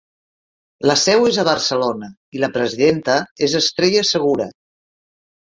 La seu és a Barcelona i la presidenta és Estrella Segura.